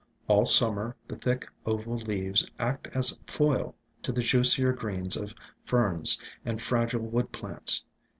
All Summer the thick oval leaves act as foil to the juicier greens of Ferns and fragile wood plants.